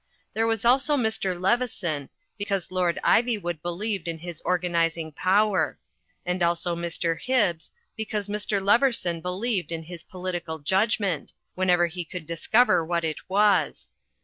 There was also Mr. Leveson, because Lord Ivywood believed in his or ganizing power; and also Mr. Hibbs, because Mr. Lev eson believed in his political judgment, whenever he could discover what it was.